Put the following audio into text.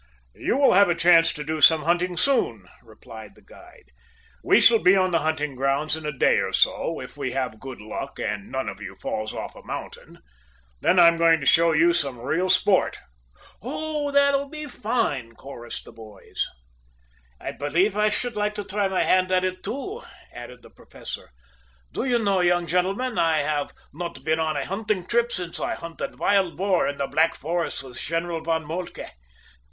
"You will have a chance to do some hunting soon," replied the guide. "We shall be on the hunting grounds in a day or so, if we have good luck, and none of you falls off a mountain. Then I am going to show you some real sport." "Oh, that will be fine," chorused the boys. "I believe I should like to try my hand at it, too," added the Professor. "Do you know, young gentlemen, I have not been on a hunting trip since I hunted wild boar in the Black Forest with General von Moltke!